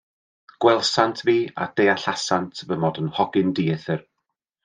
Gwelsant fi, a deallasant fy mod yn hogyn dieithr.